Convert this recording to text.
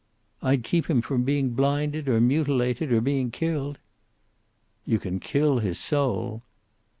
"I'd keep him from being blinded, or mutilated, or being killed." "You can kill his soul."